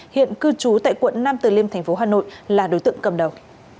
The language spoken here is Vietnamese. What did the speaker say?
hiện cư trú tại quận nam từ liêm thành phố hà nội là đối tượng cầm đầu